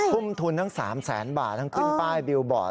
ทุ่มทุนทั้ง๓แสนบาททั้งขึ้นป้ายบิลบอร์ด